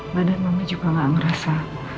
badan mama juga gak ngerasa